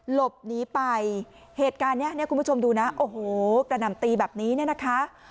หลบหนีไปเหตุการณ์นี้คุณผู้ชมดูนะโอ้โหกระหน่ำตีแบบนี้นะคะ